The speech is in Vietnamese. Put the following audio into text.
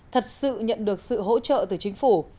thật sự nhận được sự hỗ trợ từ chính phủ